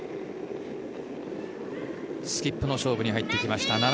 スキップの勝負に入ってきました